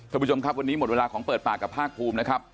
คุณผู้ชมครับวันนี้หมดเวลาของเปิดปากกับภาคภูมินะครับ